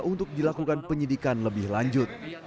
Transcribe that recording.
untuk dilakukan penyidikan lebih lanjut